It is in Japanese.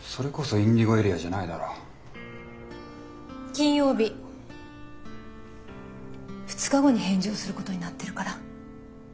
金曜日２日後に返事をすることになってるから。